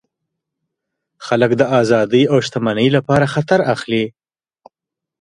خلک د آزادۍ او شتمنۍ لپاره خطر اخلي.